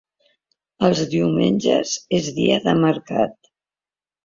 Els diumenges és dia de mercat.